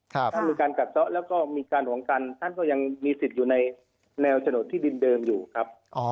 ถ้ามีการกัดซะแล้วก็มีการห่วงกันท่านก็ยังมีสิทธิ์อยู่ในแนวโฉนดที่ดินเดิมอยู่ครับ